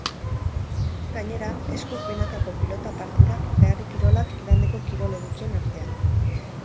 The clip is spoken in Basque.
Gainera, eskuz binakako pilota partidak eta herri kirolak igandeko kirol edukien artean.